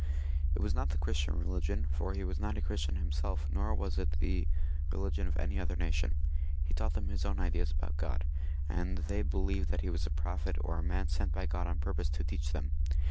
It was not the Christian religion, for he was not a Christian himself, nor was it the religion of any other nation. He taught them his own ideas about God, and they believed that he was a , prophet or a man sent by God on purpose to teach them.